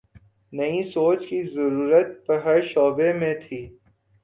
نئی سوچ کی ضرورت ہر شعبے میں تھی۔